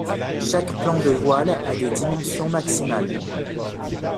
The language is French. Chaque plan de voile a des dimensions maximales.